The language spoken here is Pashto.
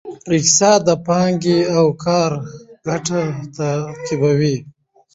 اقتصاد د پانګې او کار ګټه تعقیبوي.